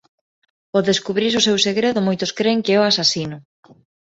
Ó descubrirse o seu segredo moitos cren que é o asasino.